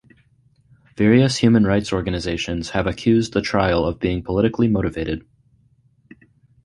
Various human rights organizations have accused the trial of being politically motivated.